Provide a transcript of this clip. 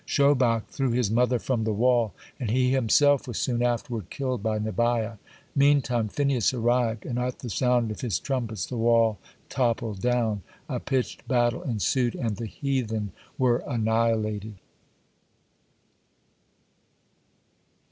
Shobach threw his mother from the wall, and he himself was soon afterward killed by Nabiah. Meantime Phinehas arrived, and, at the sound of his trumpets, the wall toppled down. A pitched battle ensued, and the heathen were annihilated.